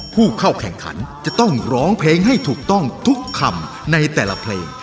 ผู้เข้าแข่งขันจะต้องร้องเพลงให้ถูกต้องทุกคำในแต่ละเพลง